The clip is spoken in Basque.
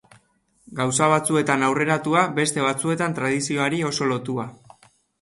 Gauza batzuetan aurreratua, beste batzuetan tradizioari oso lotua.